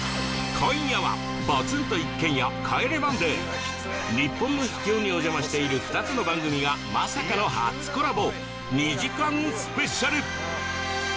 今夜は『ポツンと一軒家』『帰れマンデー』日本の秘境にお邪魔している２つの番組がまさかの初コラボ２時間スペシャル！